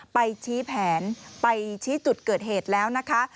ไปชี้แผนไปชี้จุดเกิดเหตุแล้วนะคะ